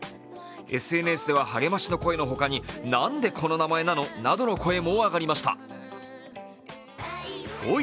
ＳＮＳでは励ましの声のほかに何でこの名前なの？などの声が上がりました。